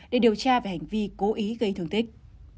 để điều tra về hành vi cố ý gây thương tích